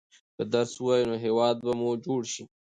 که درس ووايئ نو هېواد به مو جوړ شي.